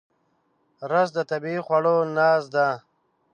رس د طبیعي خواړو ناز ده